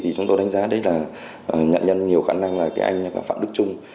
chúng tôi đánh giá đấy là nhận nhân nhiều khả năng là anh phạm đức trung